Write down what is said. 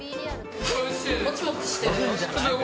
もちもちしてる。